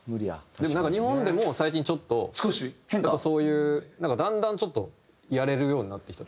でも日本でも最近ちょっとそういうだんだんちょっとやれるようになってきたというか。